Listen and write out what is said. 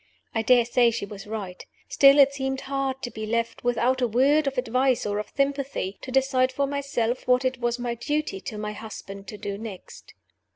I dare say she was right. Still, it seemed hard to be left, without a word of advice or of sympathy, to decide for myself what it was my duty to my husband to do next.